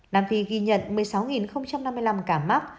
nam phi ghi nhận một mươi sáu năm mươi năm ca mắc